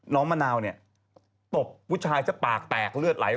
น้องมะนาวเนี่ยตบผู้ชายจะปากแตกเเลือดไหลบ่มลุย